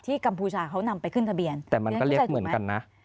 กัมพูชาเขานำไปขึ้นทะเบียนแต่มันก็เล็กเหมือนกันนะ